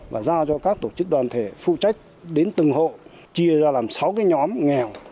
và giao cho các tổ chức đoàn thể phụ trách đến từng hộ chia ra làm sáu cái nhóm nghèo